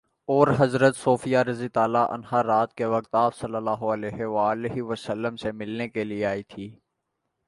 اور حضرت صفیہ رضی اللہ عنہا رات کے وقت آپ صلی اللہ علیہ وسلم سے ملنے کے لیے آئی تھیں